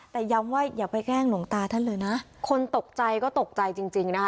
แต่ย้ำว่าอย่าไปแกล้งหลวงตาท่านเลยนะคนตกใจก็ตกใจจริงจริงนะคะ